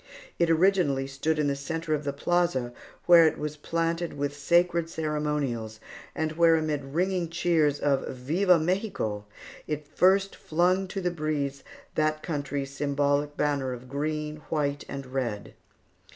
It originally stood in the centre of the plaza, where it was planted with sacred ceremonials, and where amid ringing cheers of "Viva Mexico!" it first flung to the breeze that country's symbolical banner of green, white, and red.